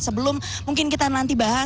sebelum mungkin kita nanti bahas